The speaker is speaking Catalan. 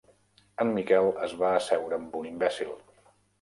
En Miquel es va asseure amb un imbècil.